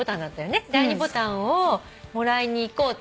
第２ボタンをもらいに行こうって。